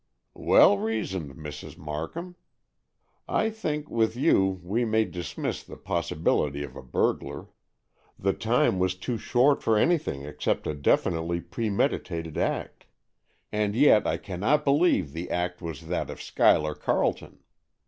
"Well reasoned, Mrs. Markham! I think, with you, we may dismiss the possibility of a burglar. The time was too short for anything except a definitely premeditated act. And yet I cannot believe the act was that of Schuyler Carleton.